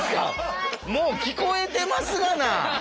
もう聞こえてますがな。